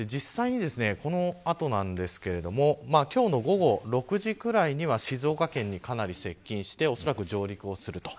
この後ですが今日の午後６時くらいには静岡県にかなり接近しておそらく上陸をすると。